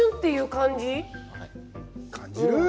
感じる？